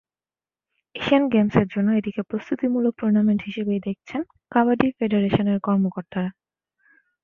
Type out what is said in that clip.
Asian গেমসের জন্য এটিকে প্রস্তুতিমূলক টুর্নামেন্ট হিসেবেই দেখছেন কাবাডি ফেডারেশনের কর্মকর্তারা।